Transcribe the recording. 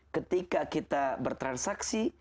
ketika kita bertransaksi